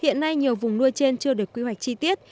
hiện nay nhiều vùng nuôi trên chưa được quy hoạch chi tiết